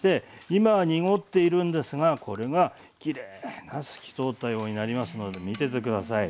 今は濁っているんですがこれがきれいな透き通ったようになりますので見てて下さい。